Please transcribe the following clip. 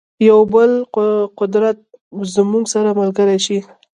یو بل قدرت زموږ سره ملګری شي.